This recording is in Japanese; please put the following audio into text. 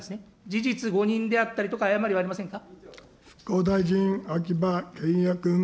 事実誤認であったりとか、誤りはありませんか。